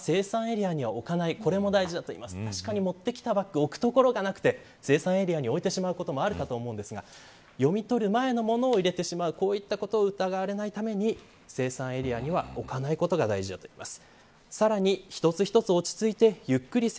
持ってきたバッグを置く所がなくて精算エリアに置いてしまうこともあるかと思うんですが読み取る前のものを入れてしまうことを疑われないために精算エリアに置かないことが大事だといいます。